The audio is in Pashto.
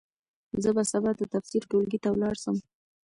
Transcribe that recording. زه به سبا د تفسیر ټولګي ته ولاړ شم.